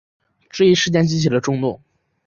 这一事件激起了众怒。